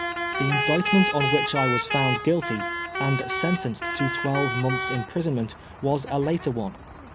The Lidictment on which I was found guilty, and sentenced to twelve months' imprisonment, was a later one.